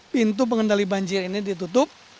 pintu pengendali banjir ini ditutup